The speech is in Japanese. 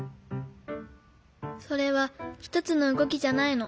それはひとつのうごきじゃないの。